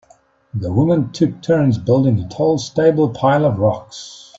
The women took turns building a tall stable pile of rocks.